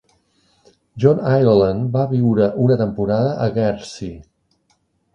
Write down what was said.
John Ireland va viure una temporada a Guernsey.